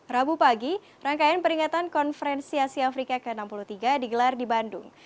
rabu pagi rangkaian peringatan konferensi asia afrika ke enam puluh tiga digelar di bandung